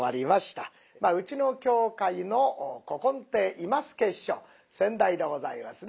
まあうちの協会の古今亭今輔師匠先代でございますね。